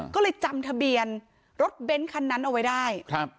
ก็เลยจำทะเบียนรถเบ้นคันนั้นเอาไว้ได้ครับ